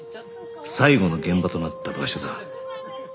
最後の現場となった場所だ